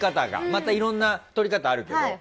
またいろんな取り方あるけど。